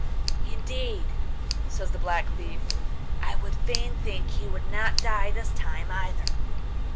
'Indeed,' says the Black Thief, 'I would fain think he would not die this time either.